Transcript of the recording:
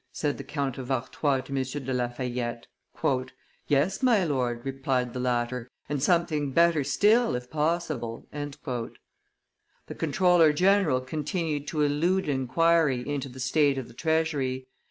said the Count of Artois to M. de La Fayette. "Yes, my lord," replied the latter, "and something better still if possible!" The comptroller general continued to elude inquiry into the state of the treasury.